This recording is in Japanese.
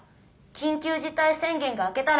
緊急事態宣言が明けたら。